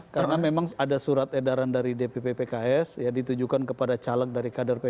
karena memang ada surat edaran dari dpp pks ditujukan kepada caleg dari kader pks